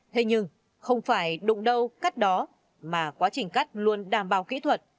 thế nhưng không phải đụng đâu cắt đó mà quá trình cắt luôn đảm bảo kỹ thuật